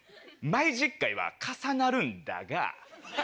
毎時一回は重なるんだが。